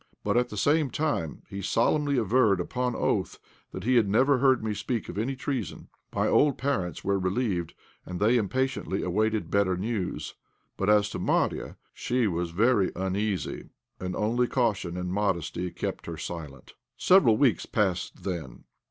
But at the same time he solemnly averred upon oath that he had never heard me speak of any treason. My old parents' minds were relieved, and they impatiently awaited better news. But as to Marya, she was very uneasy, and only caution and modesty kept her silent. Several weeks passed thus.